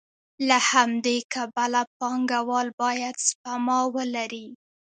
له همدې کبله پانګوال باید سپما ولري